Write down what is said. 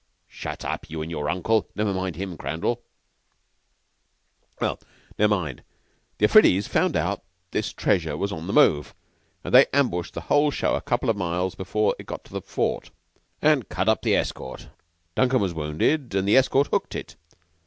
"Shut up you and your uncle! Never mind him, Crandall." "Well, ne'er mind. The Afridis found out that this treasure was on the move, and they ambushed the whole show a couple of miles before he got to the fort, and cut up the escort. Duncan was wounded, and the escort hooked it.